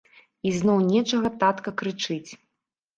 Ізноў нечага татка крычыць.